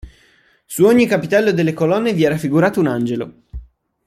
Su ogni capitello delle colonne vi è raffigurato un angelo.